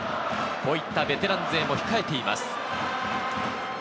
こういったベテラン勢も控えています。